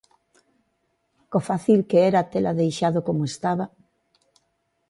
¡Co fácil que era tela deixado como estaba!